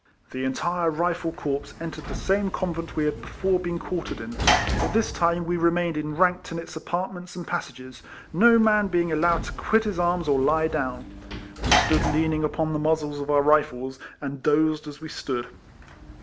The entire Kifle corps entered the same convent we had before been quartered in; but this time we remained enranked in its apartments and passages, no man being allowed to quit his arms or lie down. We stood leaning upon the muzzles of our Kifles, and dozed as we stood.